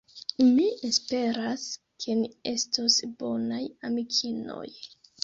Mi esperas, ke ni estos bonaj amikinoj.